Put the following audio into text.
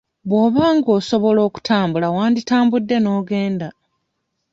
Bw'oba nga osobola okutambula wanditambudde n'ogenda.